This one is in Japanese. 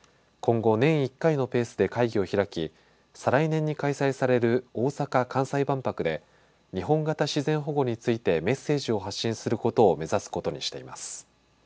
今後、年１回のペースで会議を開き、再来年に開催される大阪・関西万博で日本型自然保護についてメッセージを発信することを目指すことにしています。